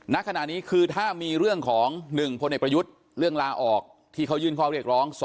ณขณะนี้คือถ้ามีเรื่องของ๑พลเอกประยุทธ์เรื่องลาออกที่เขายื่นข้อเรียกร้อง